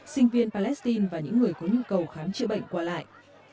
sinh viên palestine và những người có nhu cầu khám chữa bệnh qua lại